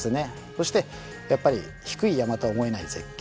そしてやっぱり「低い山とは思えない絶景」。